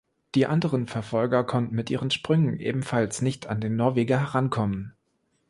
Die anderen Verfolger konnten mit ihren Sprüngen ebenfalls nicht an den Norweger herankommen.